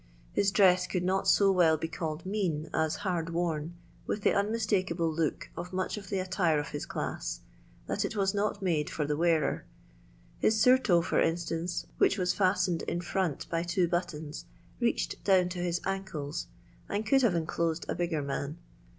His dress could not so well be called mean as hard worn, with the unmistakable look of much of the attire of his ckssy that it was not made for the wearer ; his surtou^ for instance, which was &stcned in front by two buttons, reached down to his aneles, and coidd have inclosed a bigger man.